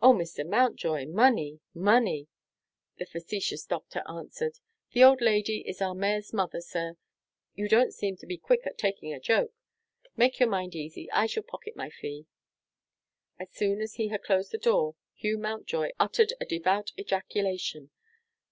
"Oh, Mr. Mountjoy, money! money!" the facetious doctor answered. "The old lady is our Mayor's mother, sir. You don't seem to be quick at taking a joke. Make your mind easy; I shall pocket my fee." As soon as he had closed the door, Hugh Mountjoy uttered a devout ejaculation.